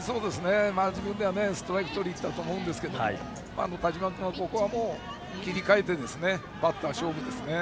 自分ではストライクをとりにいったと思いますけど田嶋君はここは切り替えてバッター勝負ですね。